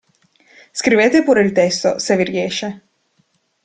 Scrivete pure il testo, se vi riesce.